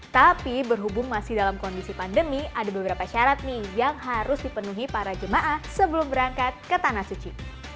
tapi berhubung masih dalam kondisi pandemi ada beberapa syarat nih yang harus dipenuhi para jemaah sebelum berangkat ke tanah suci